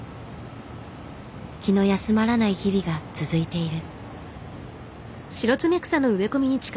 気の休まらない日々が続いている。